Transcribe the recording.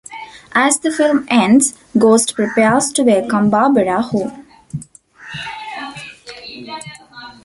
As the film ends, Ghost prepares to welcome Barbara home.